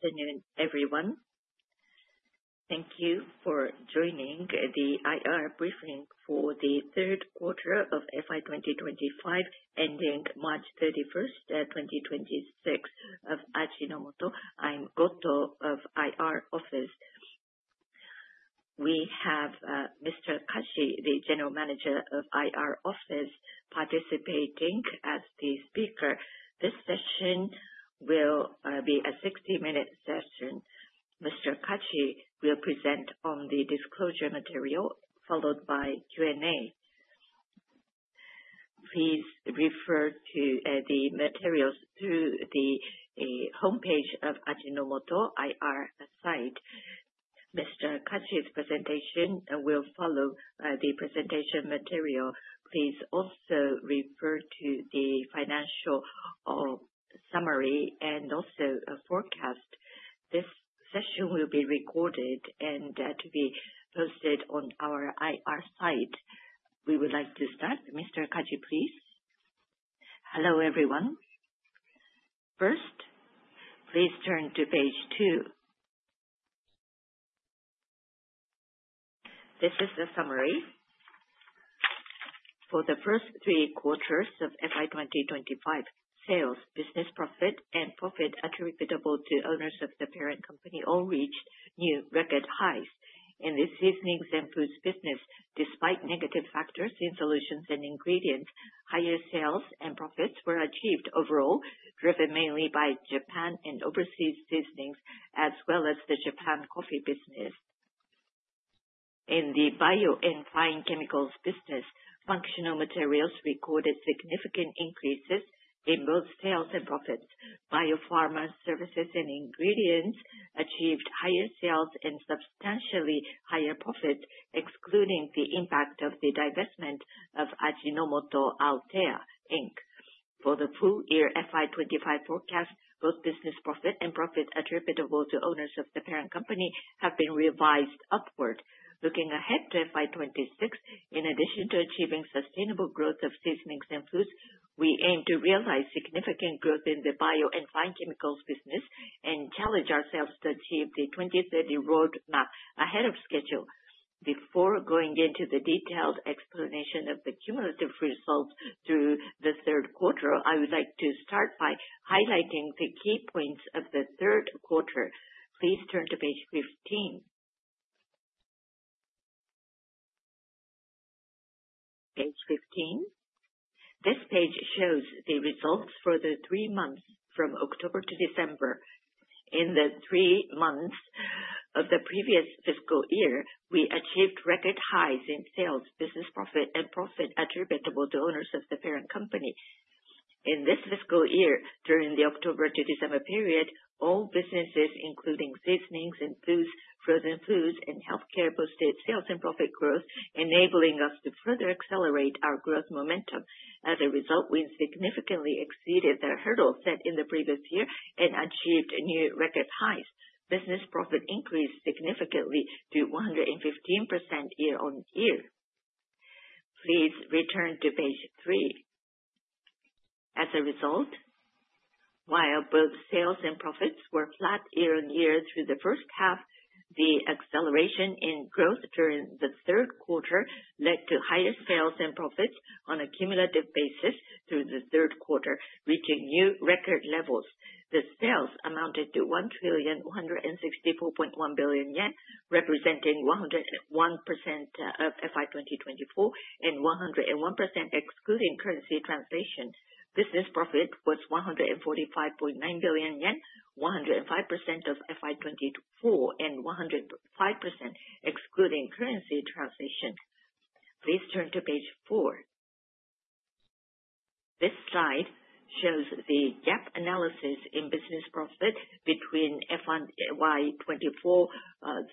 Good afternoon, everyone. Thank you for joining the IR briefing for the third quarter of FY 2025, ending 31 March, 2026, of Ajinomoto. I'm Goto of IR Office. We have Mr. Kaji, the General Manager of IR Office, participating as the speaker. This session will be a 60-minute session. Mr. Kaji will present on the disclosure material, followed by Q&A. Please refer to the materials through the homepage of Ajinomoto IR site. Mr. Kaji's presentation will follow the presentation material. Please also refer to the financial summary and also a forecast. This session will be recorded and to be posted on our IR site. We would like to start. Mr. Kaji, please. Hello, everyone. First, please turn to page 2. This is the summary. For the first three quarters of FY 2025, sales, business profit, and profit attributable to owners of the parent company all reached new record highs. In the Seasonings and Foods business, despite negative factors in Solution and Ingredients, higher sales and profits were achieved overall, driven mainly by Japan and overseas seasonings as well as the Japan coffee business. In the Bio and Fine Chemicals business, Functional Materials recorded significant increases in both sales and profits. Bio-Pharma Services and ingredients achieved higher sales and substantially higher profits, excluding the impact of the divestment of Ajinomoto Althea, Inc. For the full-year FY 2025 forecast, both business profit and profit attributable to owners of the parent company have been revised upward. Looking ahead to FY 2026, in addition to achieving sustainable growth of Seasonings and Foods, we aim to realize significant growth in the Bio and Fine Chemicals business and challenge ourselves to achieve the 2030 roadmap ahead of schedule. Before going into the detailed explanation of the cumulative results through the third quarter, I would like to start by highlighting the key points of the third quarter. Please turn to page 15. Page 15. This page shows the results for the three months from October to December. In the three months of the previous fiscal year, we achieved record highs in sales, business profit, and profit attributable to owners of the parent company. In this fiscal year, during the October to December period, all businesses, including Seasonings and Foods, Frozen Foods, and healthcare, posted sales and profit growth, enabling us to further accelerate our growth momentum. As a result, we significantly exceeded the hurdle set in the previous year and achieved new record highs. Business profit increased significantly to 115% year-on-year. Please return to page 3. As a result, while both sales and profits were flat year on year through the first half, the acceleration in growth during the third quarter led to higher sales and profits on a cumulative basis through the third quarter, reaching new record levels. The sales amounted to 1,164.1 billion yen, representing 101% of FY 2024 and 101% excluding currency translation. Business profit was 145.9 billion yen, 105% of FY 2024, and 105% excluding currency translation. Please turn to page 4. This slide shows the gap analysis in business profit between FY 2024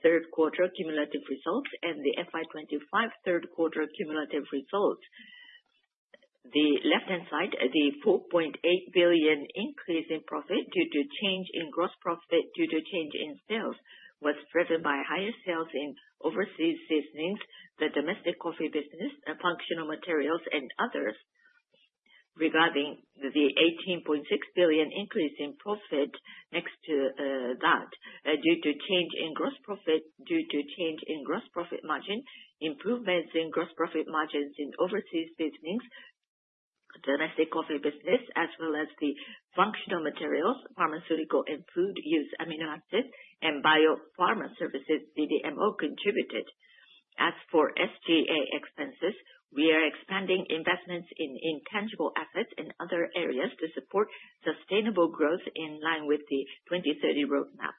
third quarter cumulative results and the FY 2025 third quarter cumulative results. The left-hand side, the 4.8 billion increase in profit due to change in gross profit due to change in sales was driven by higher sales in overseas seasonings, the domestic coffee business, Functional Materials, and others. Regarding the 18.6 billion increase in profit next to that, due to change in gross profit due to change in gross profit margin, improvements in gross profit margins in overseas seasonings, domestic coffee business, as well as the Functional Materials, Pharmaceutical and Food Use Amino Acids, and Bio-Pharma Services, Bio-CDMO, contributed. As for SG&A expenses, we are expanding investments in intangible assets and other areas to support sustainable growth in line with the 2030 roadmap.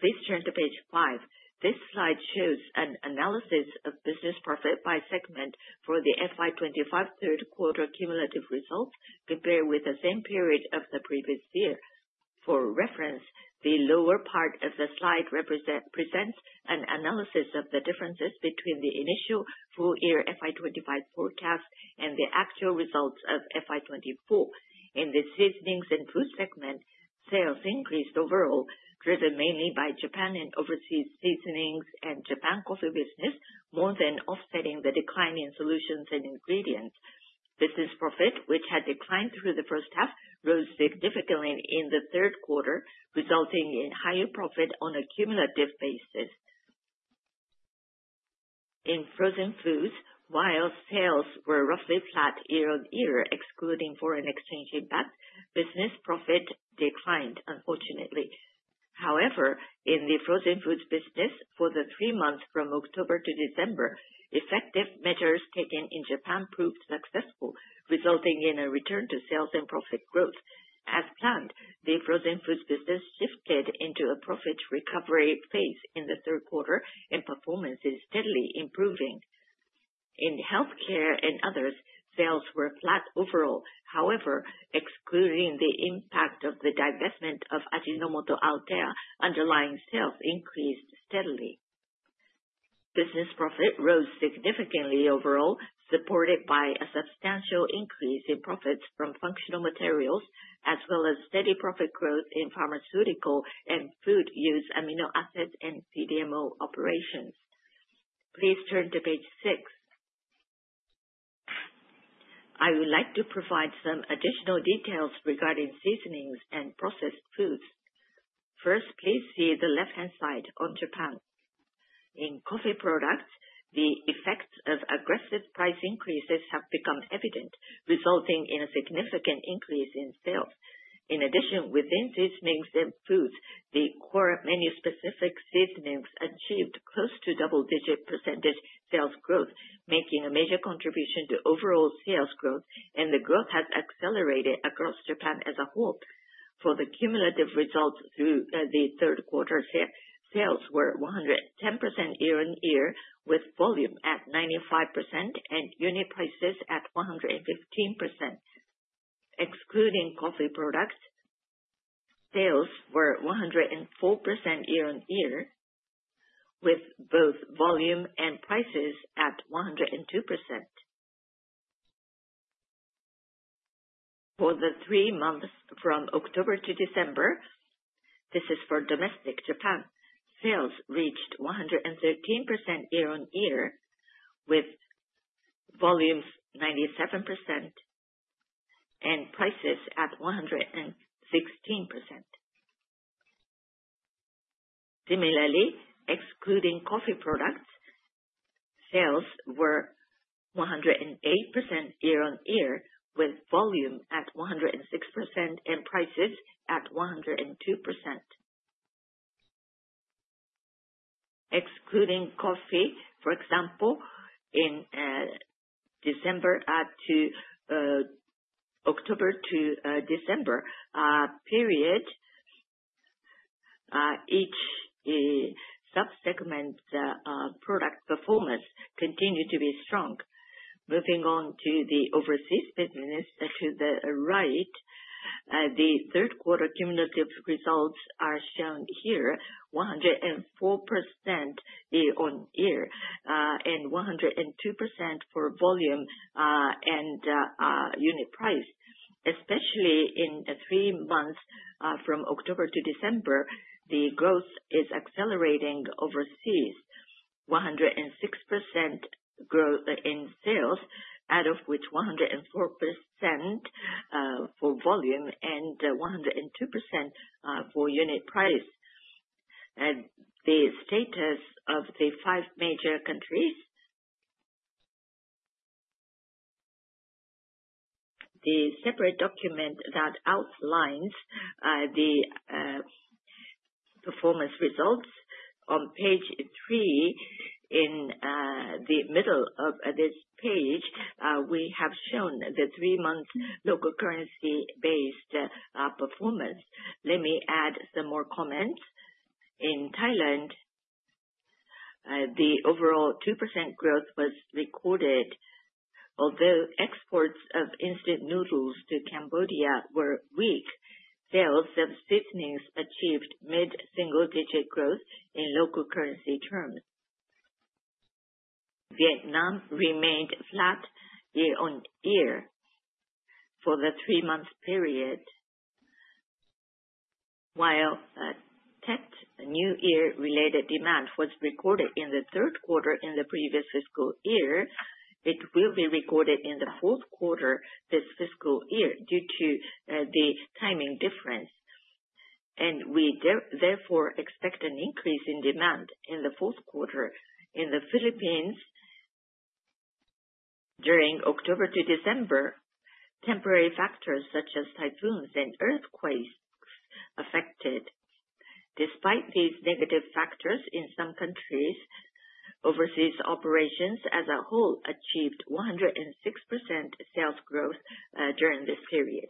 Please turn to page 5. This slide shows an analysis of business profit by segment for the FY 2025 third quarter cumulative results, compared with the same period of the previous year. For reference, the lower part of the slide presents an analysis of the differences between the initial full-year FY 2025 forecast and the actual results of FY 2024. In the seasonings and food segment, sales increased overall, driven mainly by Japan and overseas seasonings and Japan coffee business, more than offsetting the decline in Solution and Ingredients. Business profit, which had declined through the first half, rose significantly in the third quarter, resulting in higher profit on a cumulative basis. In Frozen Foods, while sales were roughly flat year-on-year, excluding foreign exchange impact, business profit declined, unfortunately. However, in the Frozen Foods business, for the three months from October to December, effective measures taken in Japan proved successful, resulting in a return to sales and profit growth. As planned, the Frozen Foods business shifted into a profit recovery phase in the third quarter, and performance is steadily improving. In Healthcare and Others, sales were flat overall. However, excluding the impact of the divestment of Ajinomoto Althea, underlying sales increased steadily. Business profit rose significantly overall, supported by a substantial increase in profits from Functional Materials, as well as steady profit growth in Pharmaceutical and Food Use Amino Acids and Bio-CDMO operations. Please turn to page 6. I would like to provide some additional details regarding seasonings and processed foods. First, please see the left-hand side on Japan. In coffee products, the effects of aggressive price increases have become evident, resulting in a significant increase in sales. In addition, within Seasonings and Foods, the core menu-specific seasonings achieved close to double-digit % sales growth, making a major contribution to overall sales growth, and the growth has accelerated across Japan as a whole. For the cumulative results through the third quarter, sales were 110% year-on-year, with volume at 95% and unit prices at 115%. Excluding coffee products, sales were 104% year-on-year, with both volume and prices at 102%. For the three months from October to December, this is for domestic Japan, sales reached 113% year-on-year, with volumes 97% and prices at 116%. Similarly, excluding coffee products, sales were 108% year-on-year, with volume at 106% and prices at 102%. Excluding coffee, for example, in October to December period, each subsegment product performance continued to be strong. Moving on to the overseas business to the right, the third quarter cumulative results are shown here: 104% year-on-year and 102% for volume and unit price. Especially in three months from October to December, the growth is accelerating overseas: 106% growth in sales, out of which 104% for volume and 102% for unit price. The status of the five major countries. The separate document that outlines the performance results on page 3, in the middle of this page, we have shown the three-month local currency-based performance. Let me add some more comments. In Thailand, the overall 2% growth was recorded. Although exports of instant noodles to Cambodia were weak, sales of seasonings achieved mid-single-digit growth in local currency terms. Vietnam remained flat year-on-year for the three-month period. While new-year-related demand was recorded in the third quarter in the previous fiscal year, it will be recorded in the fourth quarter this fiscal year due to the timing difference. We therefore expect an increase in demand in the fourth quarter. In the Philippines, during October to December, temporary factors such as typhoons and earthquakes affected. Despite these negative factors, in some countries, overseas operations as a whole achieved 106% sales growth during this period.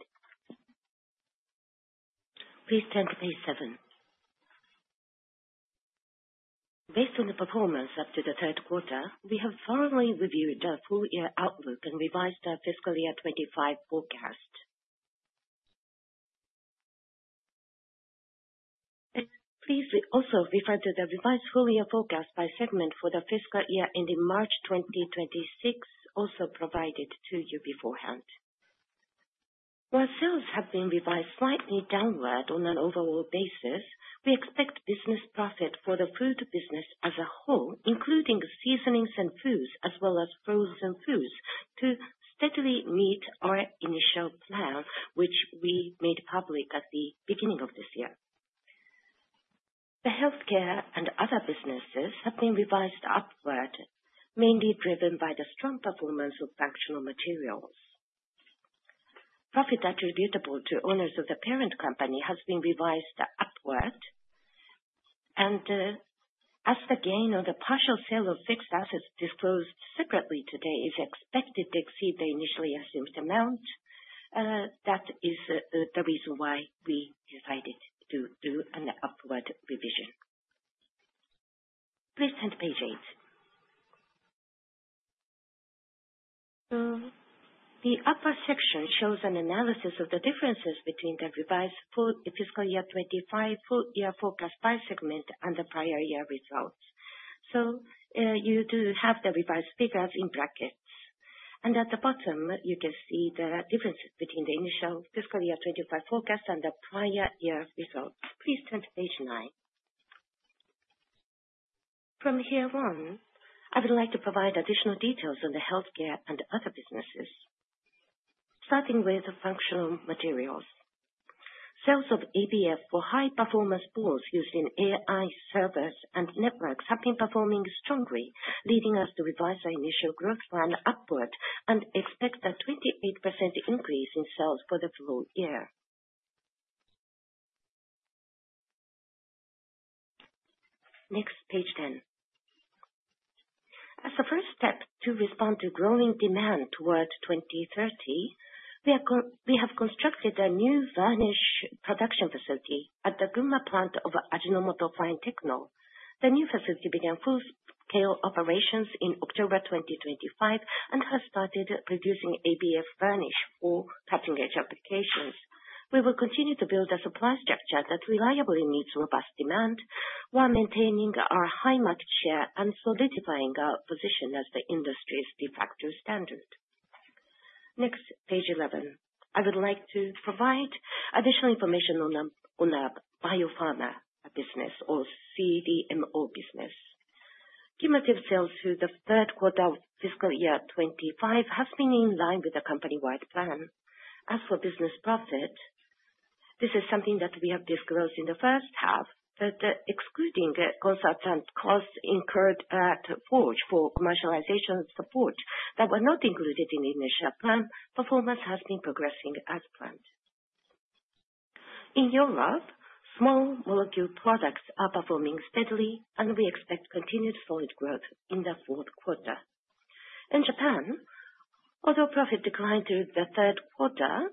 Please turn to page 7. Based on the performance up to the third quarter, we have thoroughly reviewed the full-year outlook and revised the fiscal year 2025 forecast. Please also refer to the revised full-year forecast by segment for the fiscal year ending March 2026, also provided to you beforehand. While sales have been revised slightly downward on an overall basis, we expect business profit for the food business as a whole, including Seasonings and Foods as well as Frozen Foods, to steadily meet our initial plan, which we made public at the beginning of this year. The healthcare and other businesses have been revised upward, mainly driven by the strong performance of Functional Materials. Profit attributable to owners of the parent company has been revised upward. And as the gain on the partial sale of fixed assets disclosed separately today is expected to exceed the initially assumed amount, that is the reason why we decided to do an upward revision. Please turn to page 8. The upper section shows an analysis of the differences between the revised full fiscal year 2025 full-year forecast by segment and the prior year results. You do have the revised figures in brackets. At the bottom, you can see the differences between the initial fiscal year 2025 forecast and the prior year results. Please turn to page 9. From here on, I would like to provide additional details on the healthcare and other businesses, starting with Functional Materials. Sales of ABF for high-performance boards used in AI servers and networks have been performing strongly, leading us to revise our initial growth plan upward and expect a 28% increase in sales for the full year. Next, page 10. As a first step to respond to growing demand toward 2030, we have constructed a new varnish production facility at the Gunma Plant of Ajinomoto Fine-Techno. The new facility began full-scale operations in October 2025 and has started producing ABF varnish for cutting-edge applications. We will continue to build a supply structure that reliably meets robust demand while maintaining our high market share and solidifying our position as the industry's de facto standard. Next, page 11. I would like to provide additional information on a Bio-Pharma business or CDMO business. Cumulative sales through the third quarter of fiscal year 2025 have been in line with the company-wide plan. As for business profit, this is something that we have disclosed in the first half, but excluding consultant costs incurred at Forge for commercialization support that were not included in the initial plan, performance has been progressing as planned. In Europe, small molecule products are performing steadily, and we expect continued solid growth in the fourth quarter. In Japan, although profit declined through the third quarter,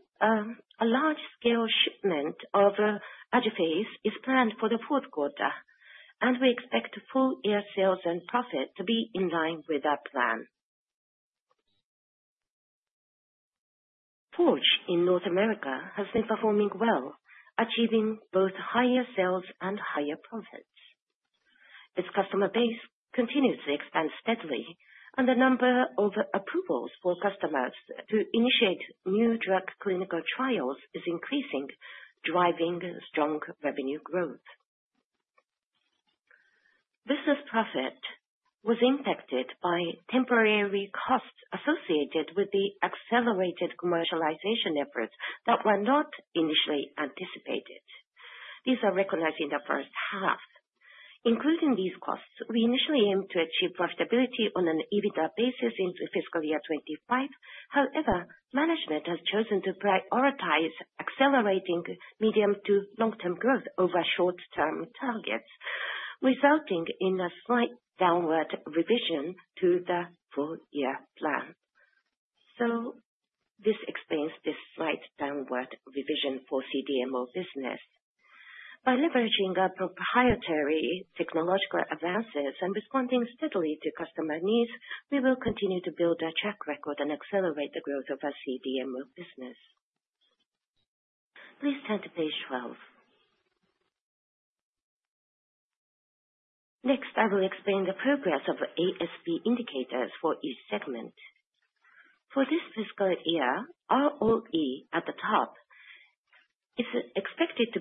a large-scale shipment of AJIPHASE is planned for the fourth quarter, and we expect full-year sales and profit to be in line with our plan. Forge in North America has been performing well, achieving both higher sales and higher profits. Its customer base continues to expand steadily, and the number of approvals for customers to initiate new drug clinical trials is increasing, driving strong revenue growth. Business profit was impacted by temporary costs associated with the accelerated commercialization efforts that were not initially anticipated. These are recognized in the first half. Including these costs, we initially aimed to achieve profitability on an EBITDA basis into fiscal year 2025. However, management has chosen to prioritize accelerating medium to long-term growth over short-term targets, resulting in a slight downward revision to the full-year plan. This explains this slight downward revision for CDMO business. By leveraging our proprietary technological advances and responding steadily to customer needs, we will continue to build our track record and accelerate the growth of our CDMO business. Please turn to page 12. Next, I will explain the progress of ASV indicators for each segment. For this fiscal year, ROE at the top is expected to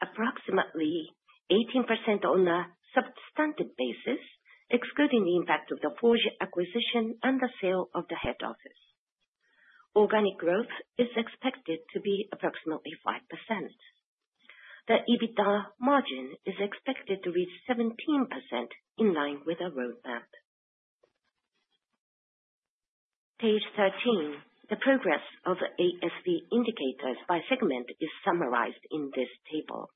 be approximately 18% on a substantive basis, excluding the impact of the Forge acquisition and the sale of the head office. Organic growth is expected to be approximately 5%. The EBITDA margin is expected to reach 17% in line with our roadmap. Page 13, the progress of ASV indicators by segment is summarized in this table.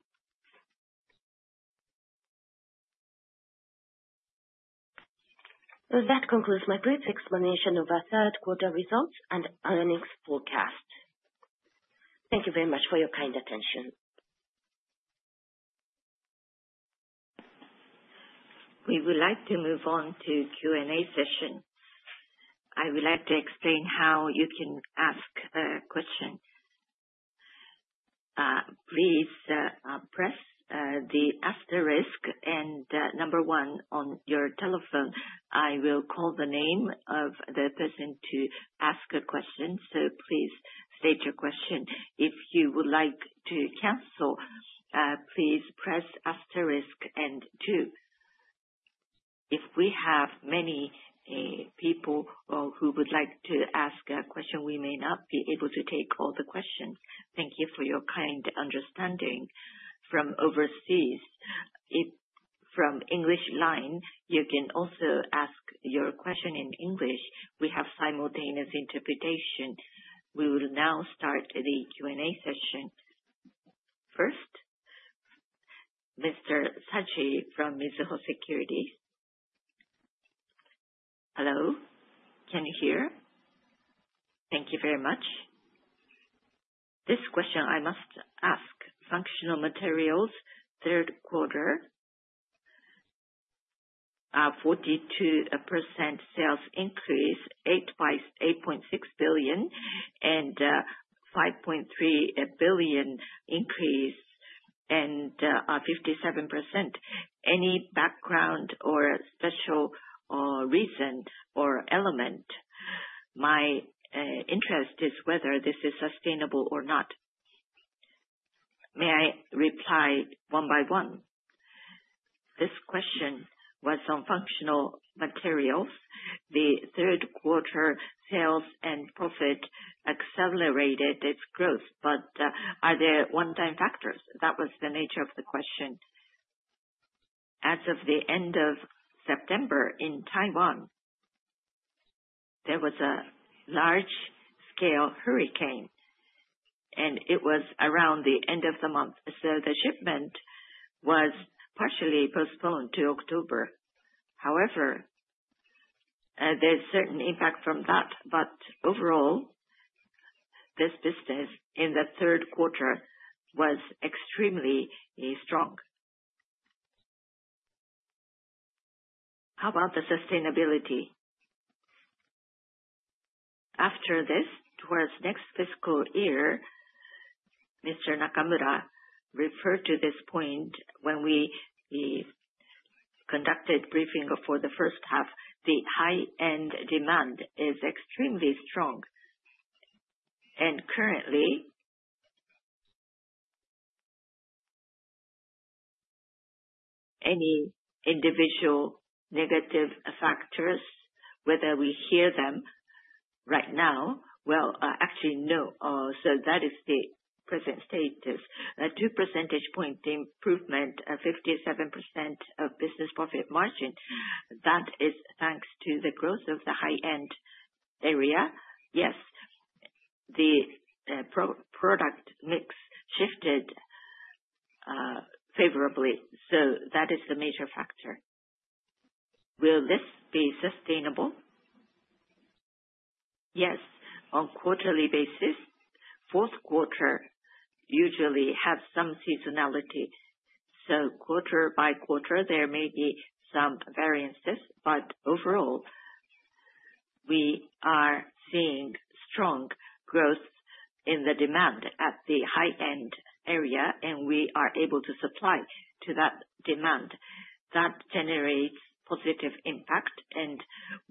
That concludes my brief explanation of our third quarter results and earnings forecast. Thank you very much for your kind attention. We would like to move on to Q&A session. I would like to explain how you can ask a question. Please press the asterisk and number one on your telephone. I will call the name of the person to ask a question, so please state your question. If you would like to cancel, please press asterisk and two. If we have many people who would like to ask a question, we may not be able to take all the questions. Thank you for your kind understanding. From English line, you can also ask your question in English. We have simultaneous interpretation. We will now start the Q&A session. First, Mr. Saji from Mizuho Securities. Hello? Can you hear? Thank you very much. This question I must ask: Functional Materials, third quarter, 42% sales increase, 8.6 billion and 5.3 billion increase, and 57%. Any background or special reason or element? My interest is whether this is sustainable or not. May I reply one by one? This question was on Functional Materials. The third quarter sales and profit accelerated its growth, but are there one-time factors? That was the nature of the question. As of the end of September in Taiwan, there was a large-scale hurricane, and it was around the end of the month, so the shipment was partially postponed to October. However, there's certain impact from that, but overall, this business in the third quarter was extremely strong. How about the sustainability? After this, towards next fiscal year, Mr. Nakamura referred to this point when we conducted briefing for the first half. The high-end demand is extremely strong. And currently, any individual negative factors, whether we hear them right now well, actually, no. So that is the present status. A 2 percentage point improvement, 57% business profit margin, that is thanks to the growth of the high-end area. Yes. The product mix shifted favorably, so that is the major factor. Will this be sustainable? Yes. On quarterly basis, fourth quarter usually has some seasonality. So quarter by quarter, there may be some variances, but overall, we are seeing strong growth in the demand at the high-end area, and we are able to supply to that demand. That generates positive impact, and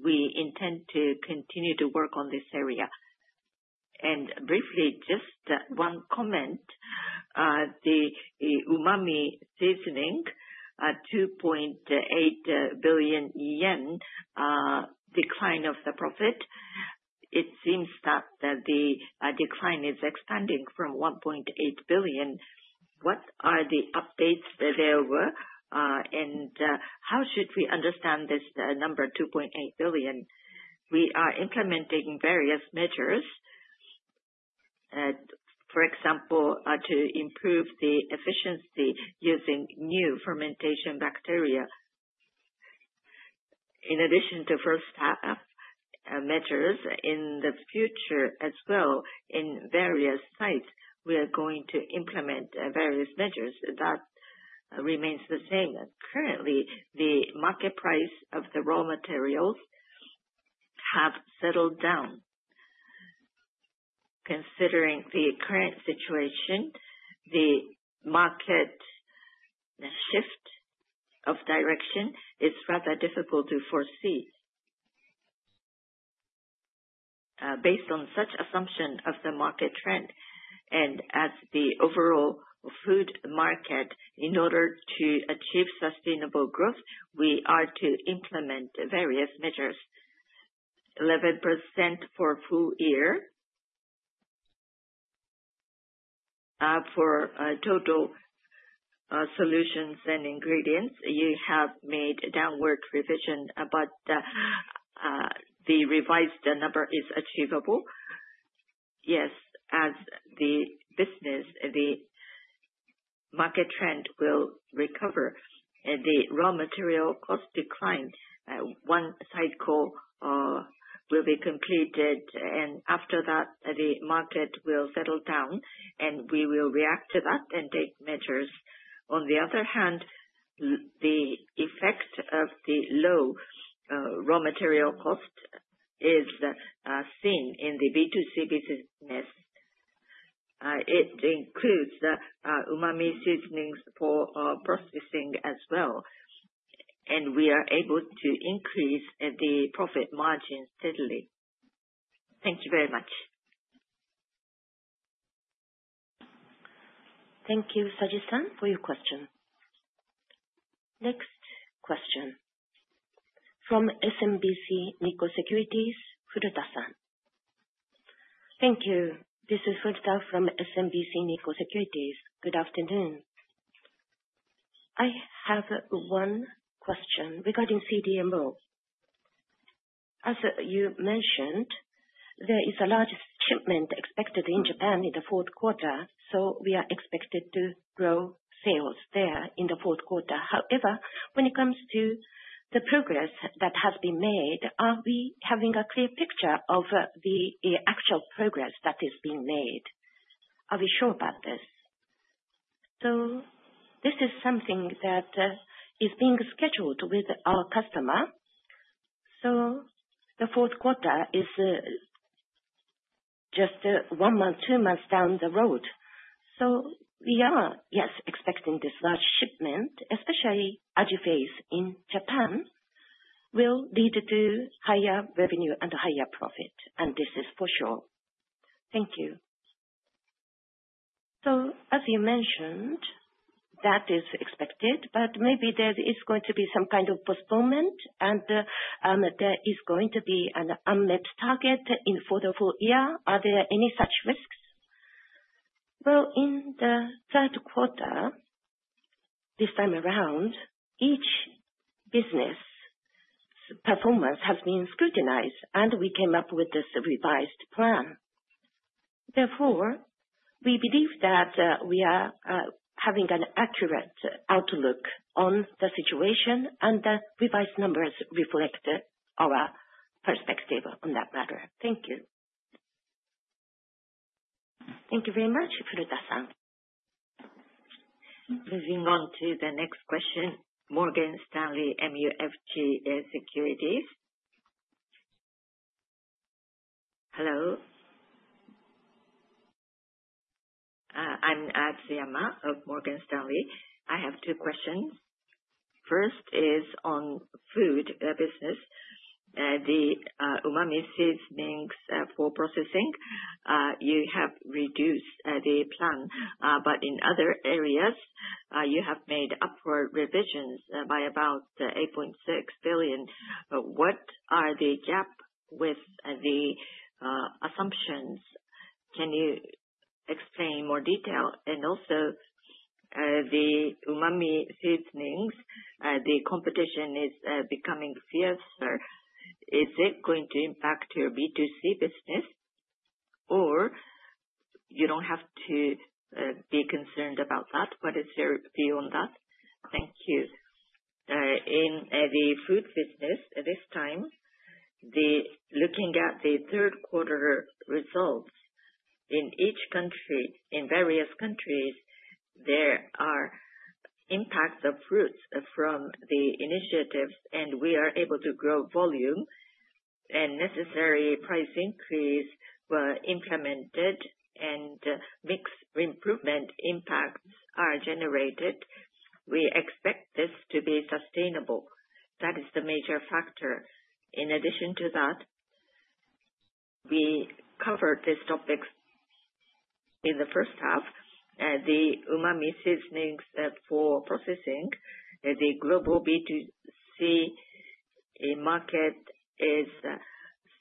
we intend to continue to work on this area. And briefly, just one comment. The umami seasoning, a 2.8 billion yen decline of the profit, it seems that the decline is expanding from 1.8 billion. What are the updates that there were, and how should we understand this number 2.8 billion? We are implementing various measures, for example, to improve the efficiency using new fermentation bacteria. In addition to first-half measures, in the future as well, in various sites, we are going to implement various measures. That remains the same. Currently, the market price of the raw materials have settled down. Considering the current situation, the market shift of direction is rather difficult to foresee. Based on such assumption of the market trend and as the overall food market, in order to achieve sustainable growth, we are to implement various measures. 11% for full year. For total Solution and Ingredients, you have made a downward revision, but the revised number is achievable. Yes. As the business, the market trend will recover. The raw material cost decline. One cycle will be completed, and after that, the market will settle down, and we will react to that and take measures. On the other hand, the effect of the low raw material cost is seen in the B2C business. It includes the umami seasonings for processing as well, and we are able to increase the profit margin steadily. Thank you very much. Thank you, Saji-san, for your question. Next question. From SMBC Nikko Securities, Furuta-san. Thank you. This is Furuta from SMBC Nikko Securities. Good afternoon. I have one question regarding CDMO. As you mentioned, there is a large shipment expected in Japan in the fourth quarter, so we are expected to grow sales there in the fourth quarter. However, when it comes to the progress that has been made, are we having a clear picture of the actual progress that is being made? Are we sure about this? So this is something that is being scheduled with our customer. So the fourth quarter is just one month, two months down the road. So we are, yes, expecting this large shipment, especially AJIPHASE in Japan, will lead to higher revenue and higher profit, and this is for sure. Thank you. So as you mentioned, that is expected, but maybe there is going to be some kind of postponement, and there is going to be an unmet target for the full year. Are there any such risks? Well, in the third quarter, this time around, each business performance has been scrutinized, and we came up with this revised plan. Therefore, we believe that we are having an accurate outlook on the situation, and the revised numbers reflect our perspective on that matter. Thank you. Thank you very much, Furuta-san. Moving on to the next question, Morgan Stanley MUFG Securities. Hello? I'm Tsunoyama of Morgan Stanley. I have two questions. First is on food business. The umami seasonings for processing, you have reduced the plan, but in other areas, you have made upward revisions by about 8.6 billion. What are the gap with the assumptions? Can you explain more detail? And also, the umami seasonings, the competition is becoming fiercer. Is it going to impact your B2C business? Or you don't have to be concerned about that, but is there a view on that? Thank you. In the food business, at this time, looking at the third quarter results in each country, in various countries, there are impacts of fruits from the initiatives, and we are able to grow volume. Necessary price increases were implemented, and mix improvement impacts are generated. We expect this to be sustainable. That is the major factor. In addition to that, we covered these topics in the first half. The umami seasonings for processing, the global B2C market is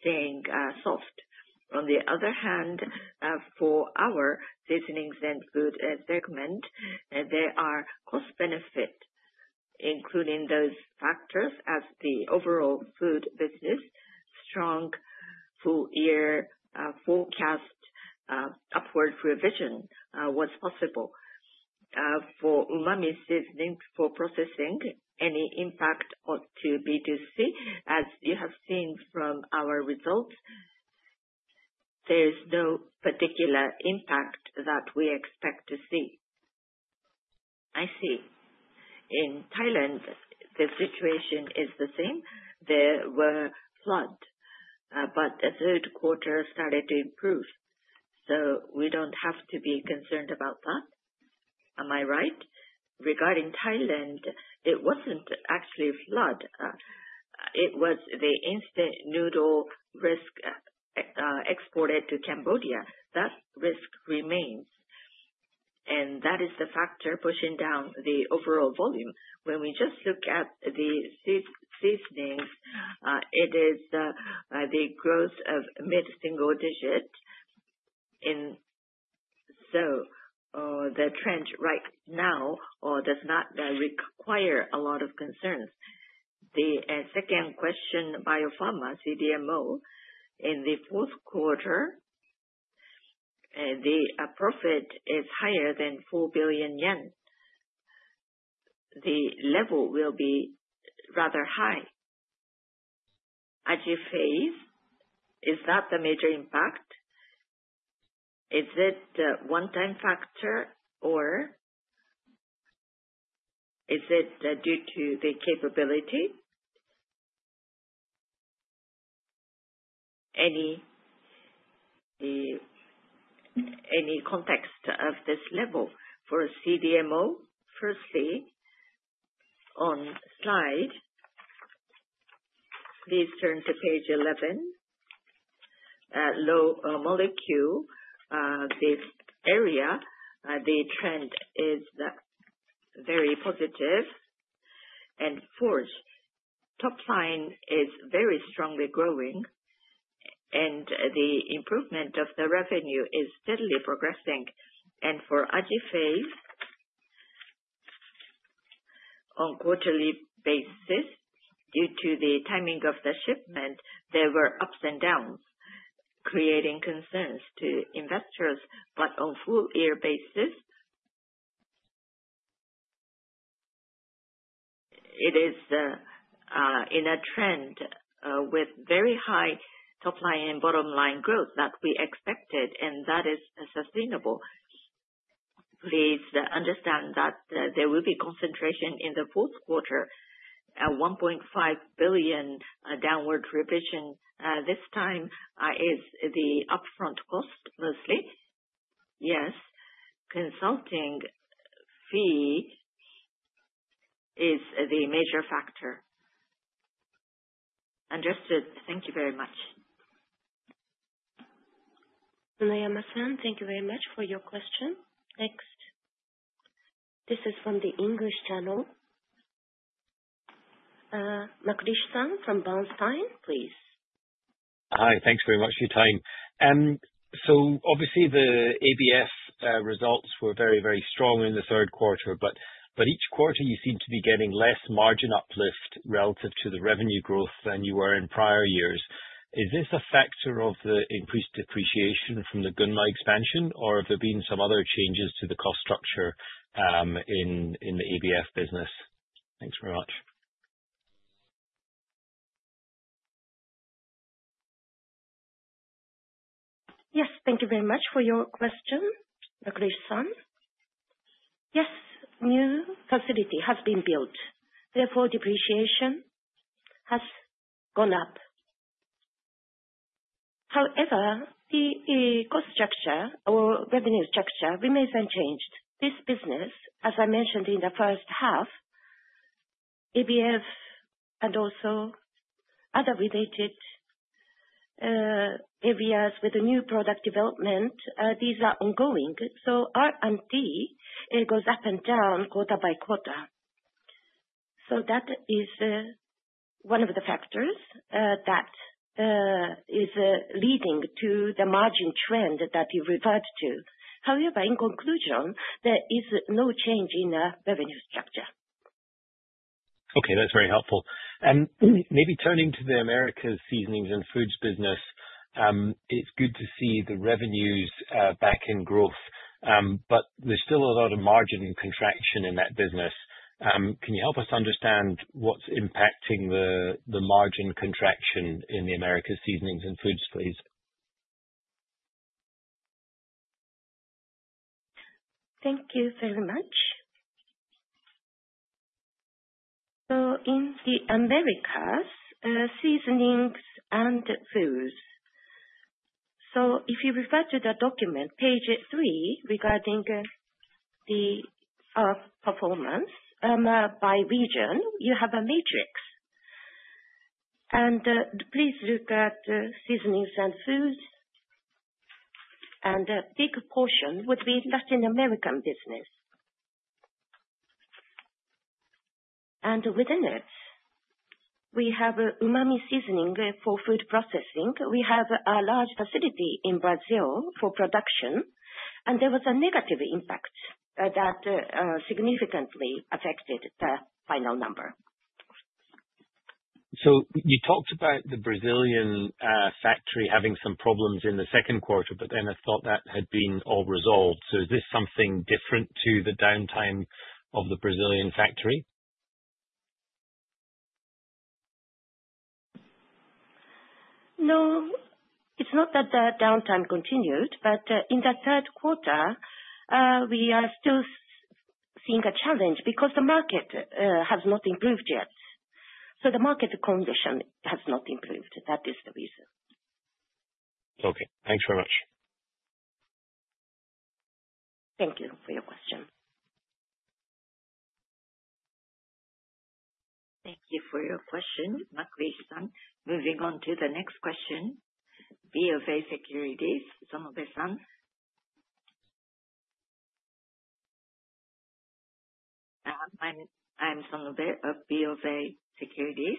staying soft. On the other hand, for our seasonings and food segment, there are cost benefits, including those factors as the overall food business, strong full-year forecast upward revision was possible. For umami seasonings for processing, any impact to B2C, as you have seen from our results, there is no particular impact that we expect to see. I see. In Thailand, the situation is the same. There were floods, but the third quarter started to improve, so we don't have to be concerned about that. Am I right? Regarding Thailand, it wasn't actually floods. It was the instant noodle exports to Cambodia. That risk remains, and that is the factor pushing down the overall volume. When we just look at the seasonings, it is the growth of mid-single digit. So the trend right now does not require a lot of concerns. The second question, Bio-Pharma, CDMO, in the fourth quarter, the profit is higher than 4 billion yen. The level will be rather high. AJIPHASE, is that the major impact? Is it the one-time factor, or is it due to the capability? Any context of this level for CDMO? Firstly, on slide, please turn to page 11. Small molecule, this area, the trend is very positive. And Forge, top line is very strongly growing, and the improvement of the revenue is steadily progressing. And for AJIPHASE, on quarterly basis, due to the timing of the shipment, there were ups and downs, creating concerns to investors. But on full-year basis, it is in a trend with very high top line and bottom line growth that we expected, and that is sustainable. Please understand that there will be concentration in the fourth quarter, 1.5 billion downward revision. This time is the upfront cost mostly. Yes. Consulting fee is the major factor. Understood. Thank you very much. Manabu Sumoge, thank you very much for your question. Next. This is from the English channel. Euan McLeish-san from Bernstein, please. Hi. Thanks very much for your time. So obviously, the ABF results were very, very strong in the third quarter, but each quarter, you seem to be getting less margin uplift relative to the revenue growth than you were in prior years. Is this a factor of the increased depreciation from the Gunma expansion, or have there been some other changes to the cost structure in the ABF business? Thanks very much. Yes. Thank you very much for your question, Euan McLeish-san. Yes. New facility has been built. Therefore, depreciation has gone up. However, the cost structure, our revenue structure, remains unchanged. This business, as I mentioned in the first half, ABF and also other related areas with new product development, these are ongoing. So R&D goes up and down quarter by quarter. So that is one of the factors that is leading to the margin trend that you referred to. However, in conclusion, there is no change in revenue structure. Okay. That's very helpful. And maybe turning to the Americas Seasonings and Foods business, it's good to see the revenues back in growth, but there's still a lot of margin contraction in that business. Can you help us understand what's impacting the margin contraction in the Americas Seasonings and Foods, please? Thank you very much. So in the Americas, Seasonings and Foods. So if you refer to the document, page 3, regarding our performance by region, you have a matrix. Please look at Seasonings and Foods, and a big portion would be Latin American business. Within it, we have umami seasoning for food processing. We have a large facility in Brazil for production, and there was a negative impact that significantly affected the final number. You talked about the Brazilian factory having some problems in the second quarter, but then I thought that had been all resolved. Is this something different to the downtime of the Brazilian factory? No. It's not that the downtime continued, but in the third quarter, we are still seeing a challenge because the market has not improved yet. The market condition has not improved. That is the reason. Okay. Thanks very much. Thank you for your question. Thank you for your question, McLeish-san. Moving on to the next question. BofA Securities, Manabu Sumoge. I'm Manabu Sumoge of BofA Securities.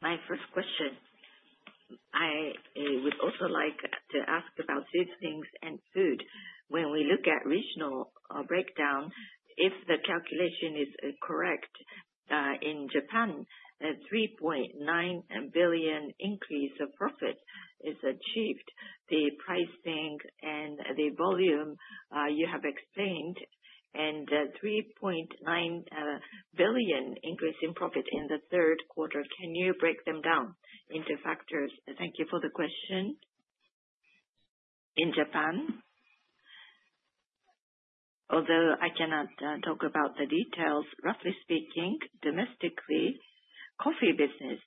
My first question, I would also like to ask about seasonings and food. When we look at regional breakdown, if the calculation is correct, in Japan, a 3.9 billion increase of profit is achieved. The pricing and the volume you have explained, and a 3.9 billion increase in profit in the third quarter, can you break them down into factors? Thank you for the question. In Japan, although I cannot talk about the details, roughly speaking, domestically, coffee business,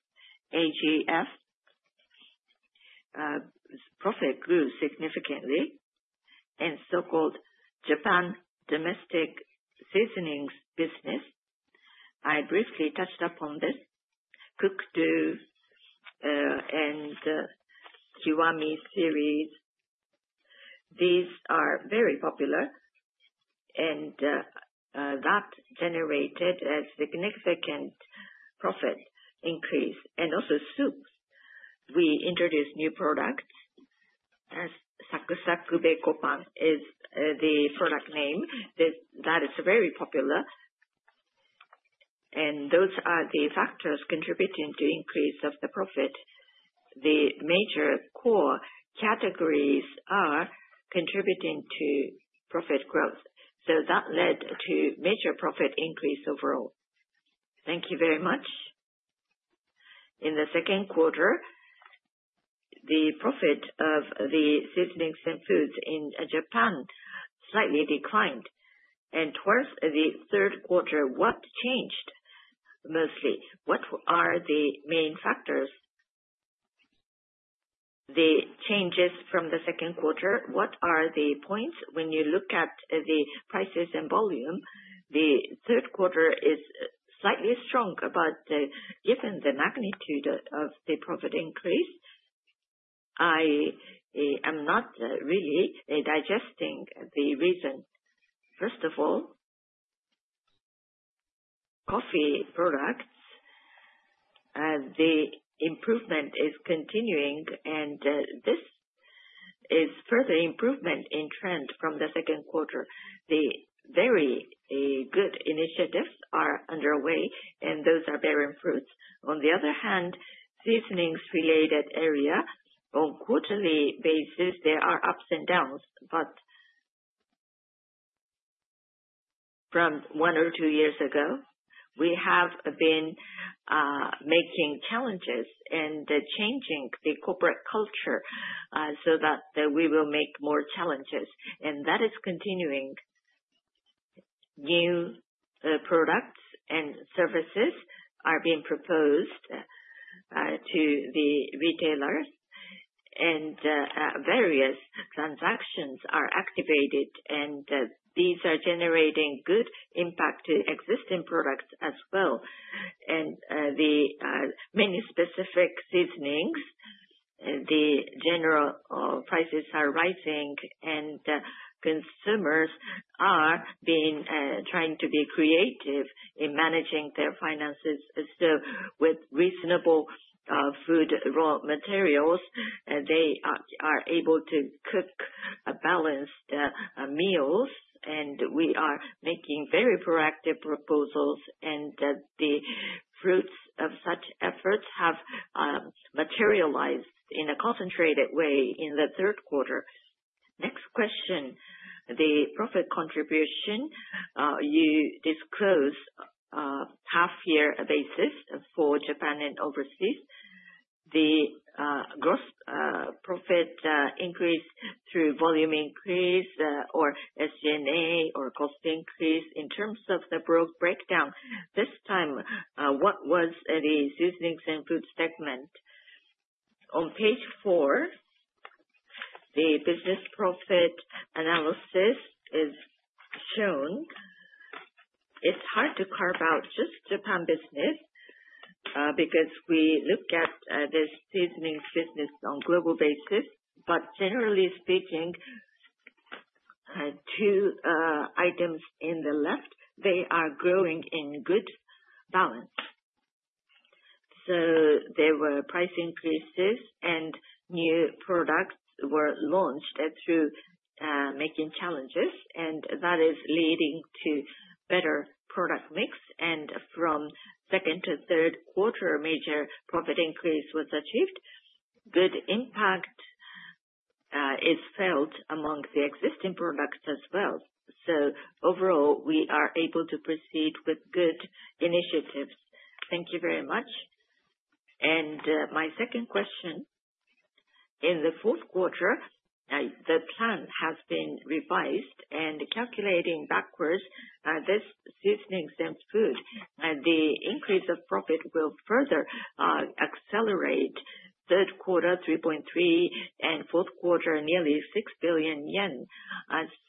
AGF, profit grew significantly, and so-called Japan domestic seasonings business. I briefly touched upon this. Cook Do and Kiwami series, these are very popular, and that generated a significant profit increase. And also soups. We introduced new products. Sakusaku Bacon Pan is the product name. That is very popular. And those are the factors contributing to increase of the profit. The major core categories are contributing to profit growth. So that led to major profit increase overall. Thank you very much. In the second quarter, the profit of the Seasonings and Foods in Japan slightly declined. Towards the third quarter, what changed mostly? What are the main factors? The changes from the second quarter, what are the points? When you look at the prices and volume, the third quarter is slightly stronger, but given the magnitude of the profit increase, I am not really digesting the reason. First of all, coffee products, the improvement is continuing, and this is further improvement in trend from the second quarter. The very good initiatives are underway, and those are bearing fruits. On the other hand, seasonings-related area, on quarterly basis, there are ups and downs, but from one or two years ago, we have been making challenges and changing the corporate culture so that we will make more challenges. And that is continuing. New products and services are being proposed to the retailers, and various transactions are activated, and these are generating good impact to existing products as well. And many specific seasonings, the general prices are rising, and consumers are trying to be creative in managing their finances. So with reasonable food raw materials, they are able to cook balanced meals, and we are making very proactive proposals, and the fruits of such efforts have materialized in a concentrated way in the third quarter. Next question. The profit contribution, you disclose half-year basis for Japan and overseas. The gross profit increase through volume increase or SG&A or cost increase in terms of the breakdown, this time, what was the Seasonings and Foods segment? On page 4, the business profit analysis is shown. It's hard to carve out just Japan business because we look at this seasonings business on global basis. But generally speaking, two items in the left, they are growing in good balance. So there were price increases, and new products were launched through making challenges, and that is leading to better product mix. And from second to third quarter, major profit increase was achieved. Good impact is felt among the existing products as well. So overall, we are able to proceed with good initiatives. Thank you very much. And my second question. In the fourth quarter, the plan has been revised, and calculating backwards, this seasonings and food, the increase of profit will further accelerate third quarter 3.3 billion and fourth quarter nearly 6 billion yen.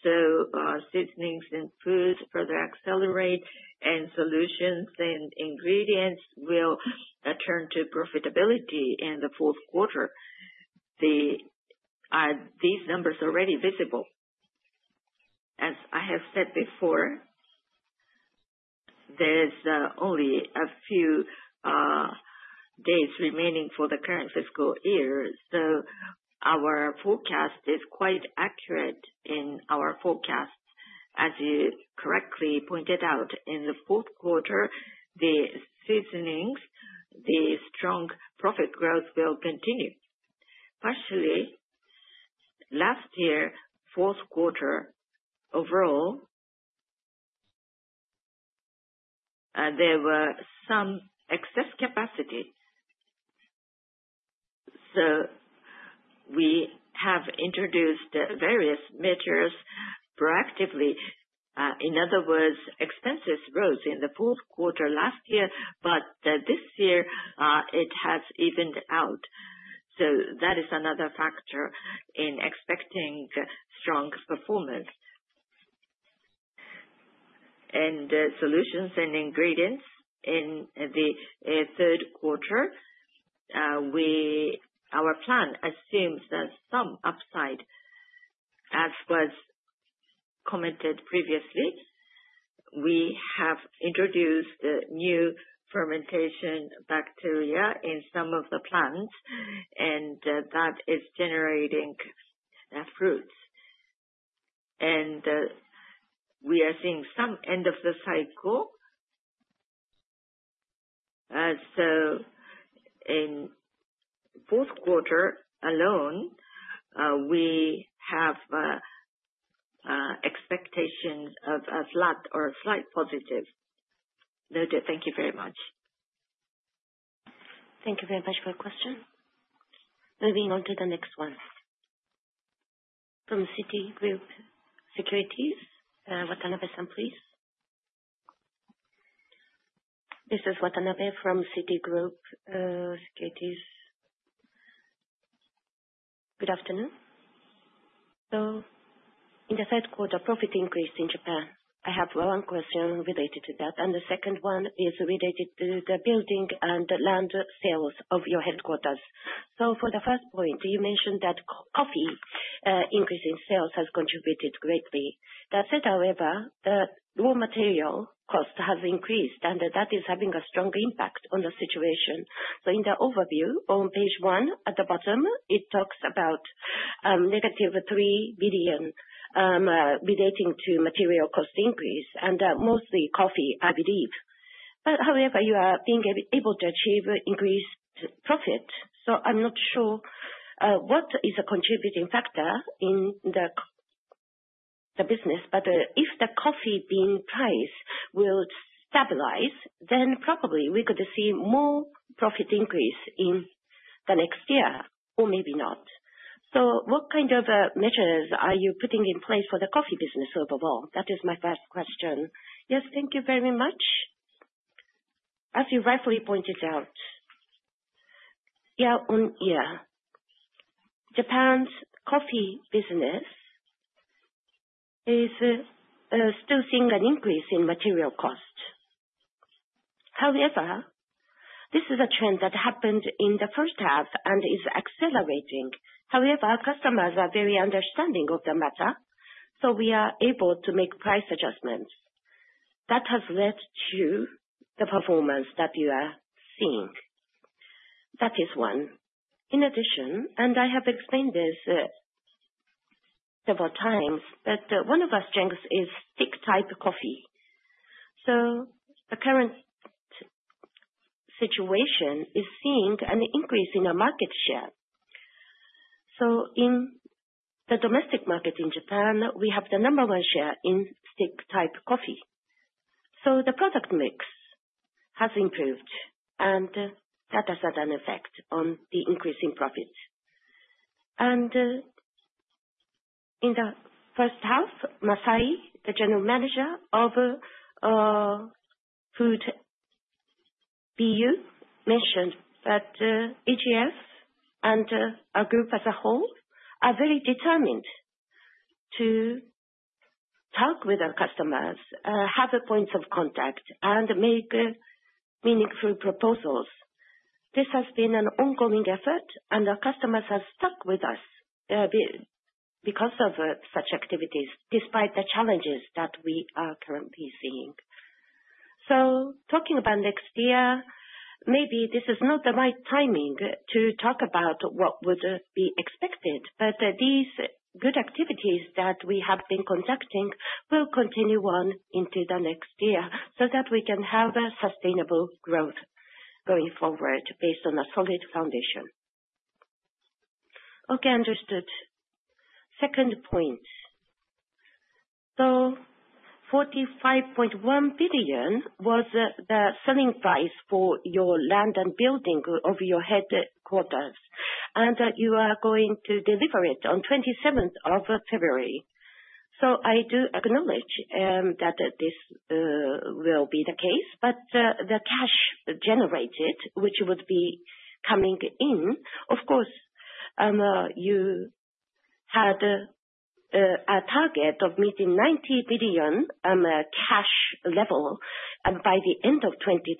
So Seasonings and Foods further accelerate, and Solution and Ingredients will turn to profitability in the fourth quarter. These numbers are already visible. As I have said before, there's only a few days remaining for the current fiscal year, so our forecast is quite accurate in our forecast. As you correctly pointed out, in the fourth quarter, the seasonings, the strong profit growth will continue. Partially, last year, fourth quarter, overall, there was some excess capacity. So we have introduced various measures proactively. In other words, expenses rose in the fourth quarter last year, but this year, it has evened out. So that is another factor in expecting strong performance. And Solution and Ingredients in the third quarter, our plan assumes some upside. As was commented previously, we have introduced new fermentation bacteria in some of the plants, and that is generating fruits. And we are seeing some end of the cycle. So in fourth quarter alone, we have expectations of a flat or a slight positive. Noted. Thank you very much. Thank you very much for your question. Moving on to the next one. From Citigroup, Watanabe-san, please. This is Watanabe from Citigroup. Good afternoon. So in the third quarter, profit increase in Japan. I have one question related to that, and the second one is related to the building and land sales of your headquarters. So for the first point, you mentioned that coffee increase in sales has contributed greatly. That said, however, the raw material cost has increased, and that is having a strong impact on the situation. So in the overview, on page 1, at the bottom, it talks about -3 billion relating to material cost increase, and mostly coffee, I believe. But however, you are being able to achieve increased profit. So I'm not sure what is a contributing factor in the business, but if the coffee being priced will stabilize, then probably we could see more profit increase in the next year or maybe not. So what kind of measures are you putting in place for the coffee business overall? That is my first question. Yes. Thank you very much. As you rightfully pointed out, year-on-year, Japan's coffee business is still seeing an increase in material cost. However, this is a trend that happened in the first half and is accelerating. However, customers are very understanding of the matter, so we are able to make price adjustments. That has led to the performance that you are seeing. That is one. In addition, and I have explained this several times, but one of our strengths is stick-type coffee. The current situation is seeing an increase in our market share. In the domestic market in Japan, we have the number one share in stick-type coffee. The product mix has improved, and that has had an effect on the increase in profit. In the first half, Masai, the general manager of Food BU, mentioned that AGF and our group as a whole are very determined to talk with our customers, have points of contact, and make meaningful proposals. This has been an ongoing effort, and our customers have stuck with us because of such activities despite the challenges that we are currently seeing. So talking about next year, maybe this is not the right timing to talk about what would be expected, but these good activities that we have been conducting will continue on into the next year so that we can have sustainable growth going forward based on a solid foundation. Okay. Understood. Second point. So 45.1 billion was the selling price for your land and building of your headquarters, and you are going to deliver it on 27th of February. So I do acknowledge that this will be the case, but the cash generated, which would be coming in, of course, you had a target of meeting 90 million cash level by the end of 2026,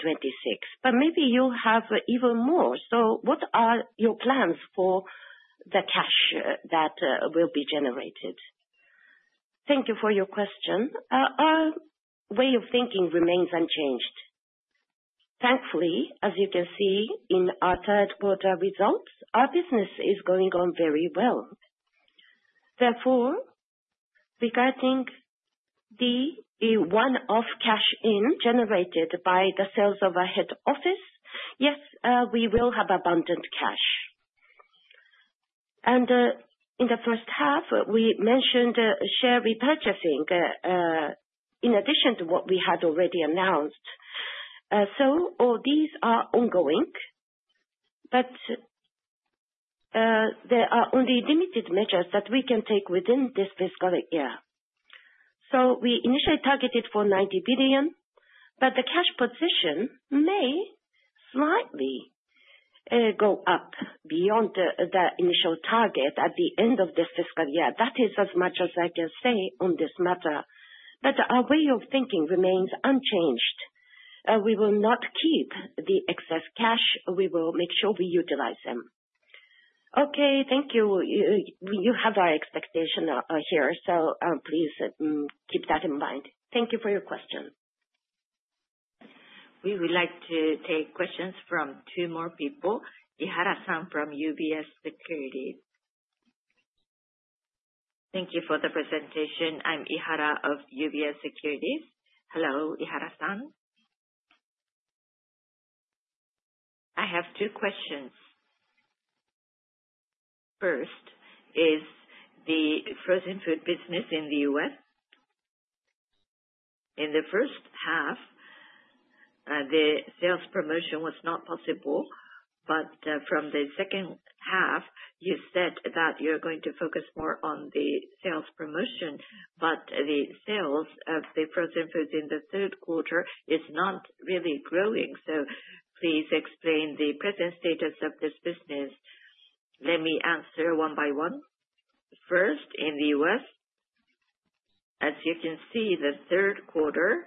but maybe you have even more. So what are your plans for the cash that will be generated? Thank you for your question. Our way of thinking remains unchanged. Thankfully, as you can see in our third quarter results, our business is going on very well. Therefore, regarding the one-off cash in generated by the sales of our head office, yes, we will have abundant cash. In the first half, we mentioned share repurchasing in addition to what we had already announced. These are ongoing, but there are only limited measures that we can take within this fiscal year. We initially targeted 90 billion, but the cash position may slightly go up beyond the initial target at the end of this fiscal year. That is as much as I can say on this matter. Our way of thinking remains unchanged. We will not keep the excess cash. We will make sure we utilize them. Okay. Thank you. You have our expectation here, so please keep that in mind. Thank you for your question. We would like to take questions from two more people. Ihara-san from UBS Securities. Thank you for the presentation. I'm Ihara of UBS Securities. Hello, Ihara-san. I have two questions. First is the frozen food business in the U.S. In the first half, the sales promotion was not possible, but from the second half, you said that you're going to focus more on the sales promotion, but the sales of the Frozen Foods in the third quarter is not really growing. So please explain the present status of this business. Let me answer one by one. First, in the U.S., as you can see, the third quarter,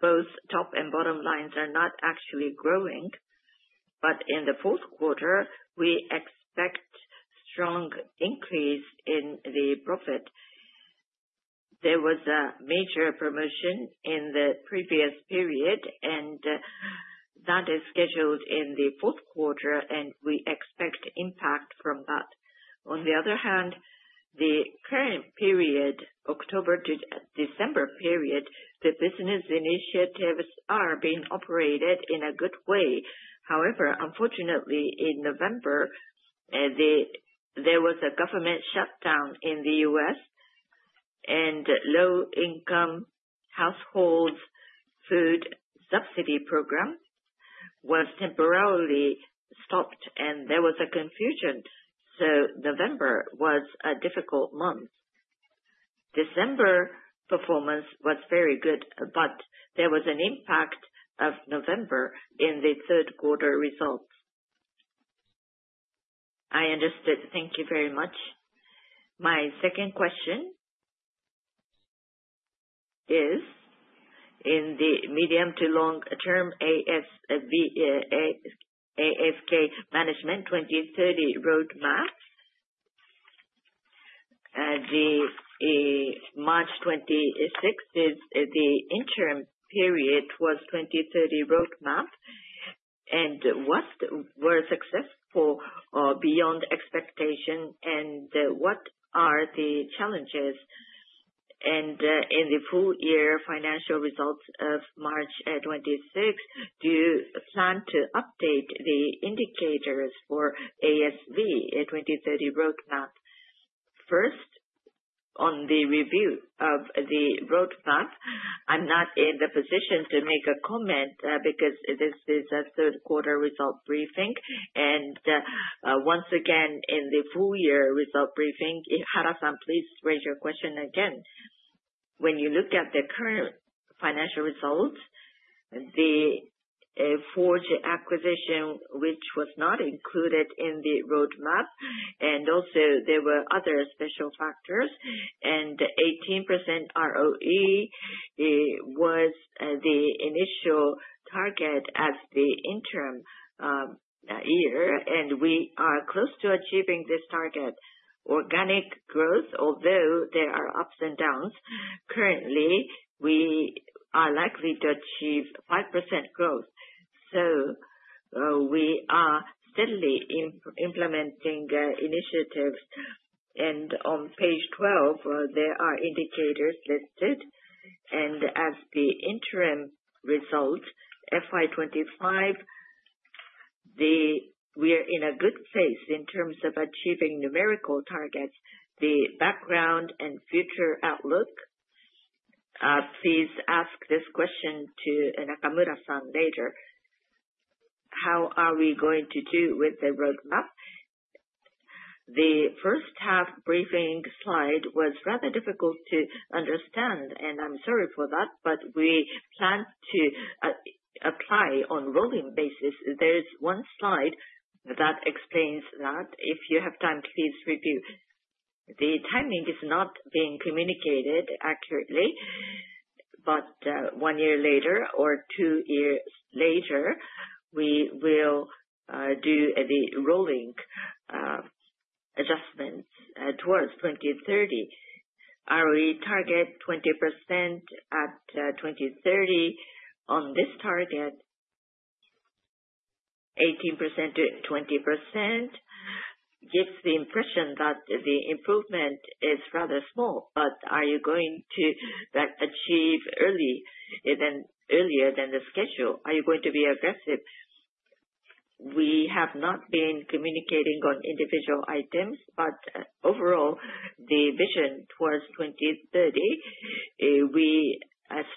both top and bottom lines are not actually growing, but in the fourth quarter, we expect strong increase in the profit. There was a major promotion in the previous period, and that is scheduled in the fourth quarter, and we expect impact from that. On the other hand, the current period, October to December period, the business initiatives are being operated in a good way. However, unfortunately, in November, there was a government shutdown in the U.S., and low-income households' food subsidy program was temporarily stopped, and there was a confusion. So November was a difficult month. December performance was very good, but there was an impact of November in the third quarter results. I understood. Thank you very much. My second question is. In the medium- to long-term ASV management 2030 roadmap, March 2026 is the interim period was 2030 roadmap, and what were successful beyond expectation, and what are the challenges? In the full-year financial results of March 26th, do you plan to update the indicators for ASV 2030 roadmap? First, on the review of the roadmap, I'm not in the position to make a comment because this is a third-quarter result briefing. And once again, in the full-year result briefing, Ihara-san, please raise your question again. When you look at the current financial results, the Forge acquisition, which was not included in the roadmap, and also there were other special factors, and 18% ROE was the initial target as the interim year, and we are close to achieving this target. Organic growth, although there are ups and downs, currently, we are likely to achieve 5% growth. So we are steadily implementing initiatives. And on page 12, there are indicators listed. As the interim result, FY 2025, we are in a good place in terms of achieving numerical targets, the background, and future outlook. Please ask this question to Nakamura-san later. How are we going to do with the roadmap? The first half briefing slide was rather difficult to understand, and I'm sorry for that, but we plan to apply on a rolling basis. There's one slide that explains that. If you have time, please review. The timing is not being communicated accurately, but one year later or two years later, we will do the rolling adjustments towards 2030. Our target, 20% at 2030, on this target, 18%-20%, gives the impression that the improvement is rather small, but are you going to achieve earlier than the schedule? Are you going to be aggressive? We have not been communicating on individual items, but overall, the vision towards 2030, we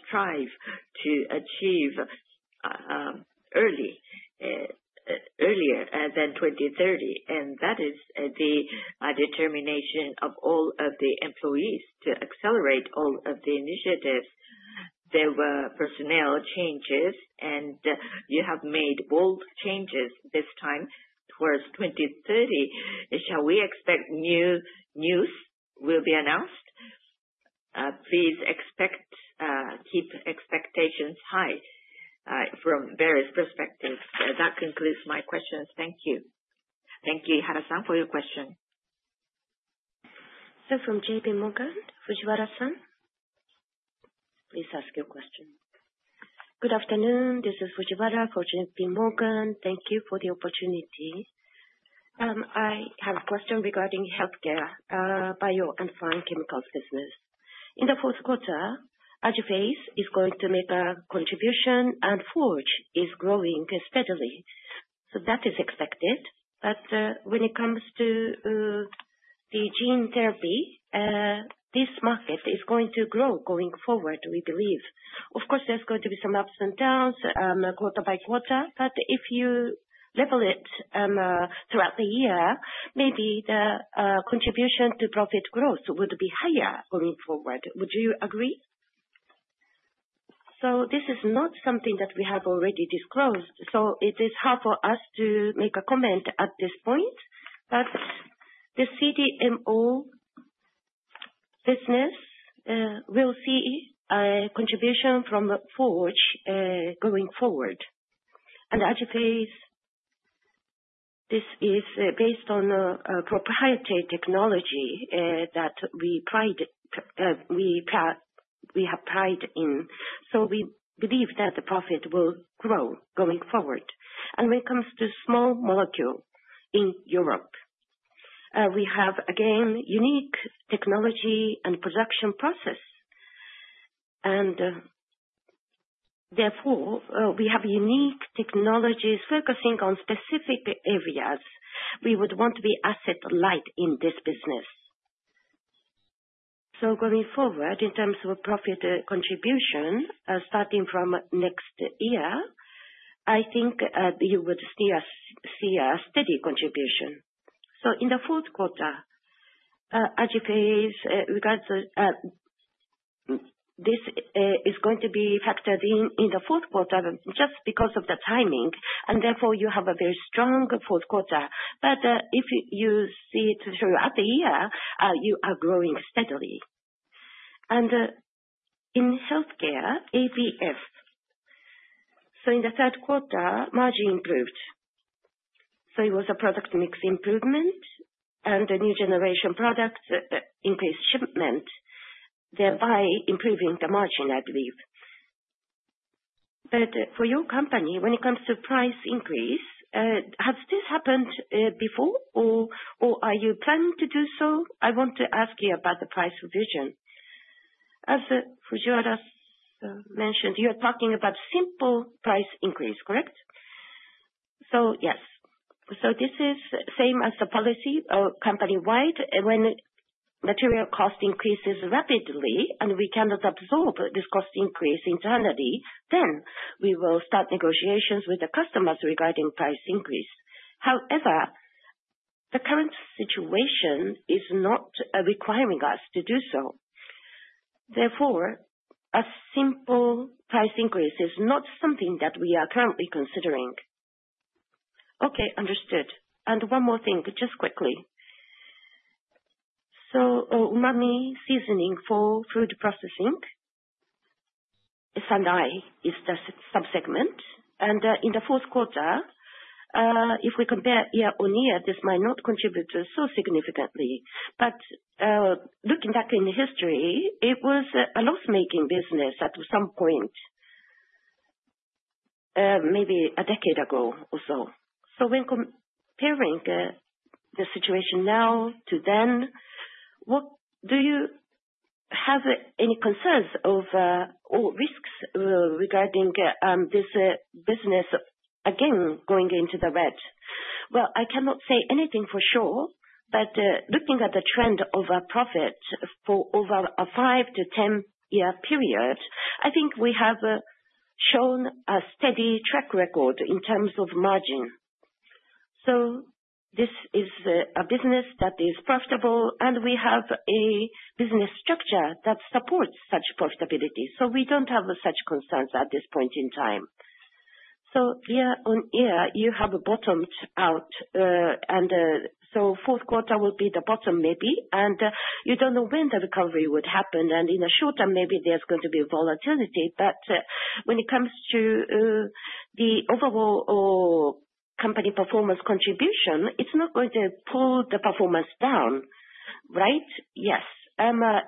strive to achieve earlier than 2030, and that is the determination of all of the employees to accelerate all of the initiatives. There were personnel changes, and you have made bold changes this time towards 2030. Shall we expect news will be announced? Please keep expectations high from various perspectives. That concludes my questions. Thank you. Thank you, Ihara-san, for your question. So from J.P. Morgan, Fujiwara-san, please ask your question. Good afternoon. This is Fujiwara for J.P. Morgan. Thank you for the opportunity. I have a question regarding healthcare, bio, and pharmaceuticals business. In the fourth quarter, AJIPHASE is going to make a contribution, and Forge is growing steadily. So that is expected. But when it comes to the gene therapy, this market is going to grow going forward, we believe. Of course, there's going to be some ups and downs quarter by quarter, but if you level it throughout the year, maybe the contribution to profit growth would be higher going forward. Would you agree? So this is not something that we have already disclosed, so it is hard for us to make a comment at this point. But the CDMO business will see a contribution from Forge going forward. And AJIPHASE, this is based on proprietary technology that we have pride in. So we believe that the profit will grow going forward. And when it comes to small molecule in Europe, we have, again, unique technology and production process. And therefore, we have unique technologies focusing on specific areas. We would want to be asset light in this business. So going forward, in terms of profit contribution, starting from next year, I think you would see a steady contribution. In the fourth quarter, Ajinomoto, this is going to be factored in in the fourth quarter just because of the timing, and therefore, you have a very strong fourth quarter. But if you see it throughout the year, you are growing steadily. And in healthcare, ABF. In the third quarter, margin improved. So it was a product mix improvement, and the new generation products increased shipment, thereby improving the margin, I believe. But for your company, when it comes to price increase, has this happened before, or are you planning to do so? I want to ask you about the price revision. As Fujiwara mentioned, you are talking about simple price increase, correct? So yes. So this is the same as the policy company-wide. When material cost increases rapidly, and we cannot absorb this cost increase internally, then we will start negotiations with the customers regarding price increase. However, the current situation is not requiring us to do so. Therefore, a simple price increase is not something that we are currently considering. Okay. Understood. And one more thing, just quickly. So umami seasoning for food processing, Sendai is the subsegment. And in the fourth quarter, if we compare year-on-year, this might not contribute so significantly. But looking back in history, it was a loss-making business at some point, maybe a decade ago or so. So when comparing the situation now to then, do you have any concerns or risks regarding this business again going into the red? Well, I cannot say anything for sure, but looking at the trend of profit for over a five to 10-year period, I think we have shown a steady track record in terms of margin. This is a business that is profitable, and we have a business structure that supports such profitability. We don't have such concerns at this point in time. Year-on-year, you have bottomed out. Fourth quarter will be the bottom, maybe. You don't know when the recovery would happen. In the short term, maybe there's going to be volatility. But when it comes to the overall company performance contribution, it's not going to pull the performance down, right? Yes.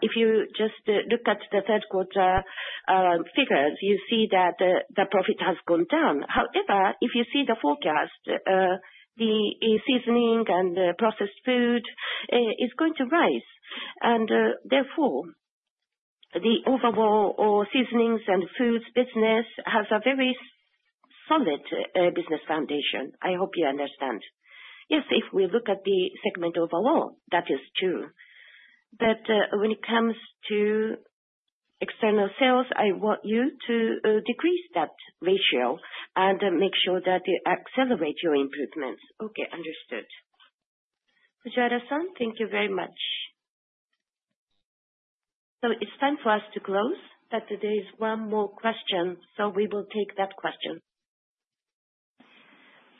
If you just look at the third quarter figures, you see that the profit has gone down. However, if you see the forecast, the seasoning and processed food is going to rise. Therefore, the overall Seasonings and Foods business has a very solid business foundation. I hope you understand. Yes, if we look at the segment overall, that is true. But when it comes to external sales, I want you to decrease that ratio and make sure that you accelerate your improvements. Okay. Understood. Fujiwara-san, thank you very much. So it's time for us to close, but there is one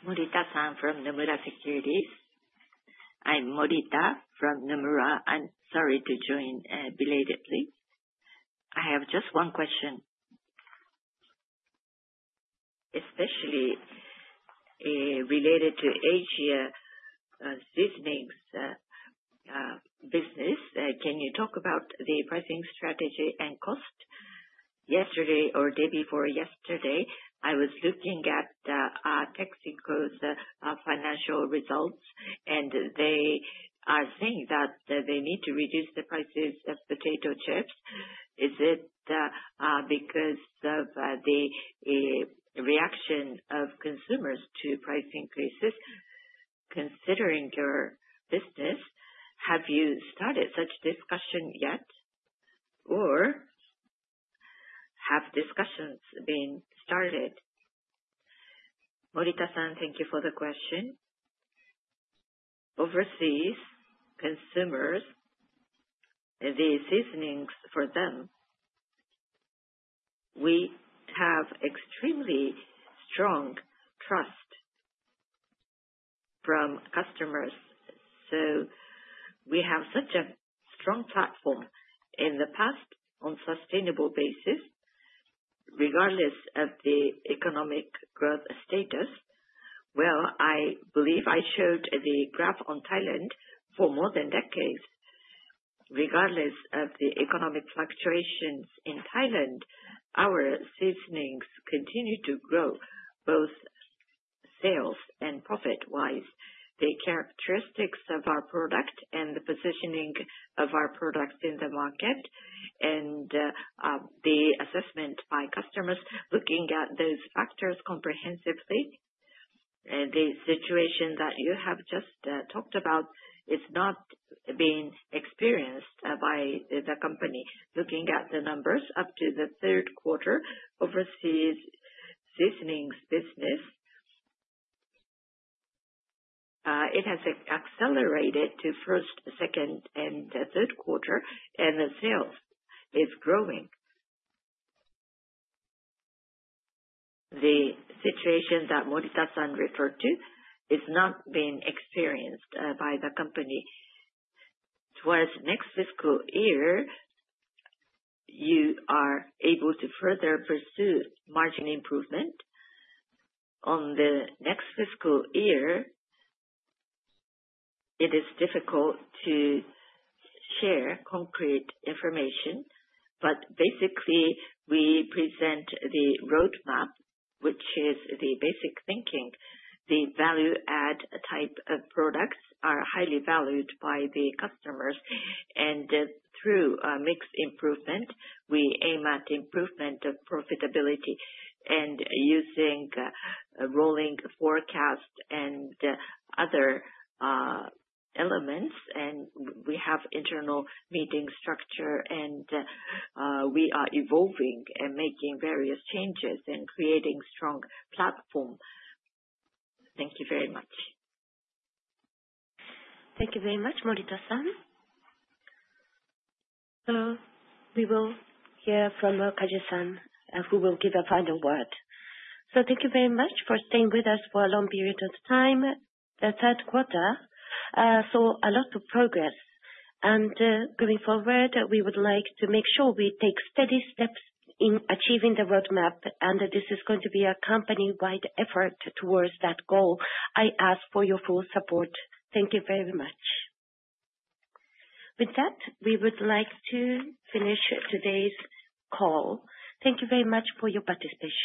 more question, so we will take that question. Morita-san from Nomura Securities. I'm Morita from Nomura. I'm sorry to join belatedly. I have just one question, especially related to Asia seasonings business. Can you talk about the pricing strategy and cost? Yesterday or the day before yesterday, I was looking at PepsiCo's financial results, and they are saying that they need to reduce the prices of potato chips. Is it because of the reaction of consumers to price increases considering your business? Have you started such discussion yet, or have discussions been started? Morita-san, thank you for the question. Overseas consumers, the seasonings for them, we have extremely strong trust from customers. So we have such a strong platform in the past on a sustainable basis, regardless of the economic growth status. Well, I believe I showed the graph on Thailand for more than decades. Regardless of the economic fluctuations in Thailand, our seasonings continue to grow both sales and profit-wise. The characteristics of our product and the positioning of our products in the market and the assessment by customers looking at those factors comprehensively, the situation that you have just talked about is not being experienced by the company. Looking at the numbers up to the third quarter overseas seasonings business, it has accelerated to first, second, and third quarter, and the sales is growing. The situation that Morita-san referred to is not being experienced by the company. Toward next fiscal year, you are able to further pursue margin improvement. On the next fiscal year, it is difficult to share concrete information, but basically, we present the roadmap, which is the basic thinking. The value-add type of products are highly valued by the customers. Through mix improvement, we aim at improvement of profitability. Using rolling forecast and other elements, we have internal meeting structure, and we are evolving and making various changes and creating a strong platform. Thank you very much. Thank you very much, Morita-san. We will hear from Kaji-san, who will give a final word. Thank you very much for staying with us for a long period of time, the third quarter. A lot of progress. Going forward, we would like to make sure we take steady steps in achieving the roadmap, and this is going to be a company-wide effort towards that goal. I ask for your full support. Thank you very much. With that, we would like to finish today's call. Thank you very much for your participation.